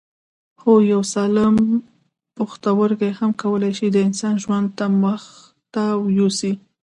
هو یو سالم پښتورګی هم کولای شي د انسان ژوند مخ ته یوسي